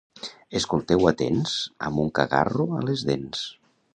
Escolteu atents amb un cagarro a les dents.